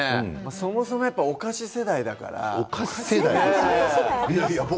そもそも、やっぱりお菓子世代だから。